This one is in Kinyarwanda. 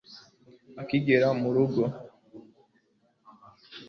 akigera mu rugo